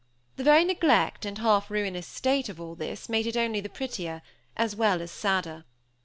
The very neglect and half ruinous state of all this made it only the prettier, as well as sadder.